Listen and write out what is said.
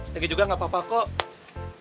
lagi juga gak apa apa kok